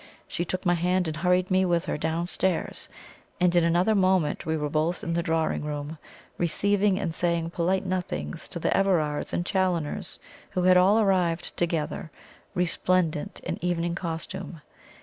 She took my hand and hurried me with her downstairs, and in another moment we were both in the drawing room, receiving and saying polite nothings to the Everards and Challoners, who had all arrived together, resplendent in evening costume.